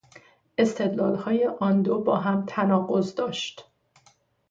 استدلالهای آندو با هم تناقض داشت.